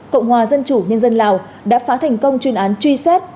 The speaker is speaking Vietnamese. cộng hòa dân chủ nhân dân lào đã phá thành công chuyên án truy xét